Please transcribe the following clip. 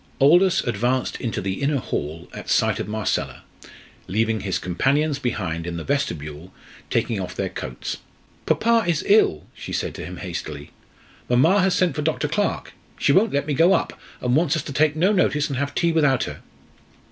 Aldous advanced into the inner hall at sight of Marcella, leaving his companions behind in the vestibule taking off their coats. Marcella ran to him. "Papa is ill!" she said to him hastily. "Mamma has sent for Dr. Clarke. She won't let me go up, and wants us to take no notice and have tea without her."